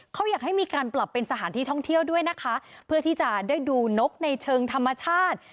เขาอยากให้มีการปรับเป็นสถานที่ท่องเที่ยวด้วยนะคะเพื่อที่จะได้ดูนกในเชิงธรรมชาติ